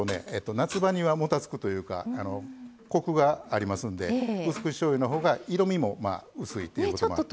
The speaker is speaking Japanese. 夏場にはもたつくというかコクがありますんでうす口しょうゆのほうが色みも薄いということもあって。